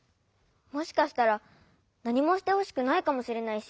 もしかしたらなにもしてほしくないかもしれないし。